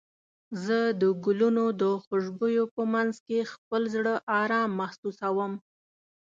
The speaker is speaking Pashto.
زه د ګلونو د خوشبو په مینځ کې خپل زړه ارام محسوسوم.